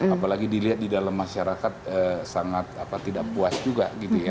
apalagi dilihat di dalam masyarakat sangat tidak puas juga